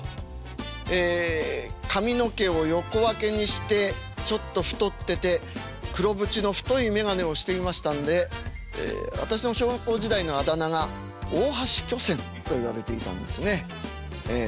ええ髪の毛を横分けにしてちょっと太ってて黒縁の太い眼鏡をしていましたんで私の小学校時代のあだ名が「大橋巨泉」といわれていたんですねええ。